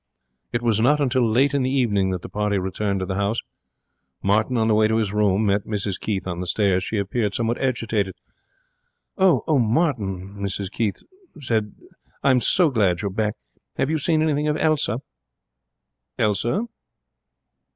It was not until late in the evening that the party returned to the house. Martin, on the way to his room, met Mrs Keith on the stairs. She appeared somewhat agitated. 'Oh, Martin,' she said. 'I'm so glad you're back. Have you seen anything of Elsa?' 'Elsa?'